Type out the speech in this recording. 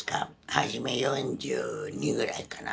初め４２ぐらいかな。